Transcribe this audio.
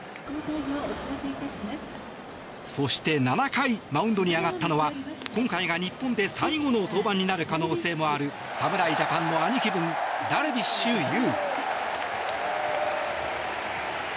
そして、７回マウンドに上がったのは今回が日本で最後の登板になる可能性もある侍ジャパンの兄貴分ダルビッシュ有。